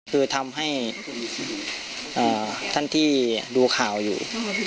คือทำให้ท่านที่ดูข่าวอยู่